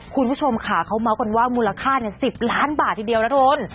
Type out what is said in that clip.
คุณผู้ชมค่ะเขาเมาส์กันว่ามูลค่า๑๐ล้านบาททีเดียวนะคุณ